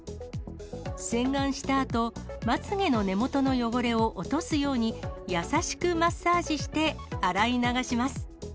洗顔したあと、まつげの根元の汚れを落とすように、優しくマッサージして洗い流します。